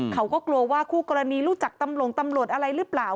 เขาก็กลัวว่าคู่กรณีรู้จักตำรวจอะไรหรือเปล่า